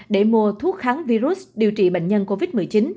để mua thuốc kháng virus điều trị bệnh nhân covid một mươi chín